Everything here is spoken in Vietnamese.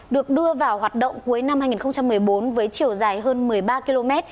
được đưa vào hoạt động cuối năm hai nghìn một mươi bốn với chiều dài hơn một mươi ba km